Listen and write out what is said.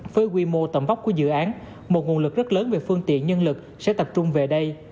với quy mô tầm vóc của dự án một nguồn lực rất lớn về phương tiện nhân lực sẽ tập trung về đây